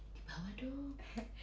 di bawah dong